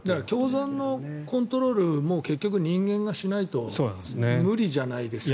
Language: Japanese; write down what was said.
共存のコントロールも結局、人間がしないと無理じゃないですか。